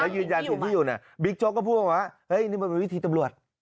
ยืนยันสิ่งที่อยู่เนี่ยบิ๊กโจ๊กก็พูดมาว่าเฮ้ยนี่มันเป็นวิธีตำรวจ